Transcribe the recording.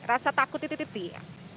rasa takut titik titik